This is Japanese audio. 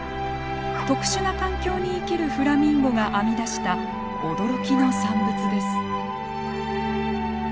特殊な環境に生きるフラミンゴが編み出した驚きの産物です。